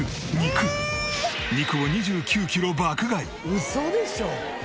「ウソでしょ！？」